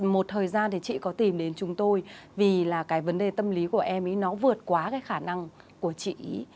một thời gian thì chị có tìm đến chúng tôi vì là cái vấn đề tâm lý của em ấy nó vượt quá cái khả năng của chị